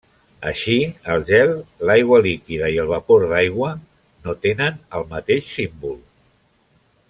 Així el gel, l'aigua líquida i el vapor d'aigua no tenen el mateix símbol.